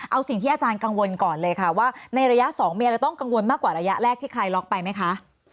เอาสิ่งที่อาจารย์กังวลก่อนเลยค่ะว่าในระยะ๒มีอะไรต้องกังวลมากกว่าระยะแรกที่คลายล็อกไปไหมคะ